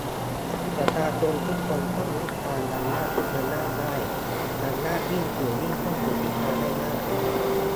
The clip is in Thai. ประชาชนทุกคนต้องวิจารณ์อำนาจทุกอำนาจได้ อำนาจยิ่งสูงยิ่งต้องถูกวิจารณ์ได้มาก